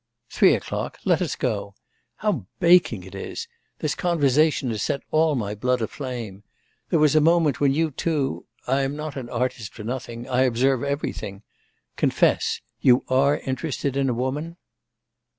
'Three o'clock. Let us go. How baking it is! This conversation has set all my blood aflame. There was a moment when you, too, ... I am not an artist for nothing; I observe everything. Confess, you are interested in a woman?